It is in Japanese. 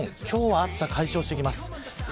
今日は暑さが解消していきます。